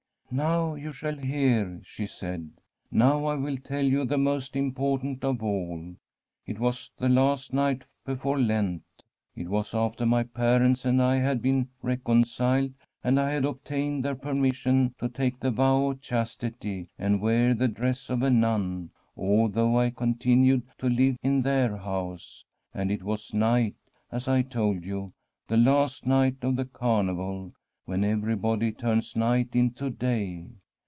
* Now you shall hear,' she said. ' Now I will tell you the most important of all. It was the last night before Lent. It was after my parents and I had been reconciled, and I had obtained their permission to take the vow of chastity and wear the dress of a nun, although I continued to live in their house ; and it was night, as I told you, the last night of the carnival, when everybody turns night into day.